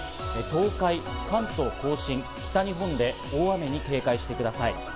東海、関東甲信、北日本で大雨に警戒してください。